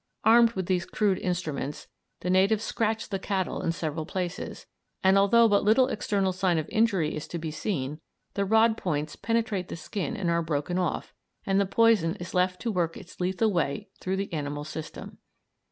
Armed with these crude instruments, the natives scratch the cattle in several places, and, although but little external sign of injury is to be seen, the rod points penetrate the skin and are broken off, and the poison is left to work its lethal way through the animals' system.